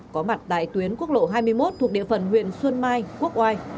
có mặt tại tuyến quốc lộ hai mươi một thuộc địa phận huyện xuân mai quốc oai